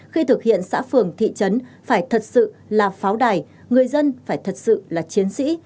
khi thực hiện xã phường thị trấn phải thật sự là pháo đài người dân phải thật sự là chiến sĩ